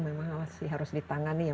memang masih harus ditangani yang